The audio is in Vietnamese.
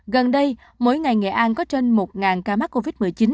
gần đây mỗi ngày nghệ an có trên một ca mắc covid một mươi chín